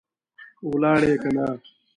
ولاړې که نه؟